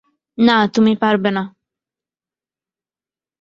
না, তুমি পারবে না।